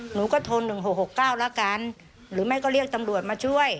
หนูก็โทนหนึ่งหกหกเก้าแล้วกันหรือไม่ก็เรียกตำรวจมาช่วย